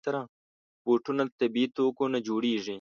بوټونه د طبعي توکو نه جوړېږي.